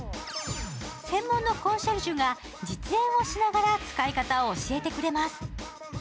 専門のコンシェルジュが実演をしながら使い方を教えてくれます。